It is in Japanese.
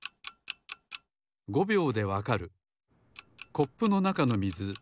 コップのなかのみず